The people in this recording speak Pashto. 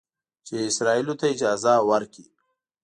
چې اسرائیلو ته اجازه ورکړي